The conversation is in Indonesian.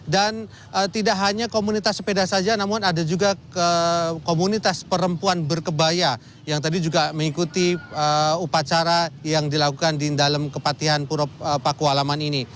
dan tidak hanya komunitas sepeda saja namun ada juga komunitas perempuan berkebaya yang tadi juga mengikuti upacara yang dilakukan di dalam kepatian puro pakualaman